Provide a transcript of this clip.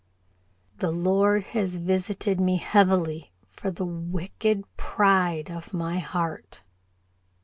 "The Lord has visited me heavily for the wicked pride of my heart.